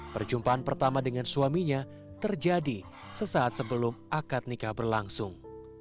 perjumpaan pertama dengan suaminya terjadi sesaat sebelum akad nikah berlangsung